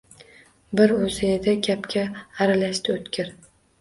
U bir o`zi edi, gapga aralashdi O`tkir